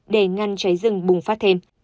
để ngăn cháy rừng bùng phát thêm